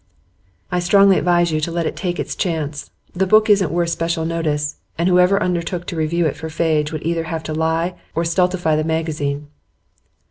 'I strongly advise you to let it take its chance. The book isn't worth special notice, and whoever undertook to review it for Fadge would either have to lie, or stultify the magazine.